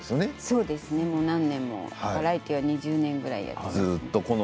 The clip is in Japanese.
そうですねもう何年もバラエティーは２０年ぐらいやっています。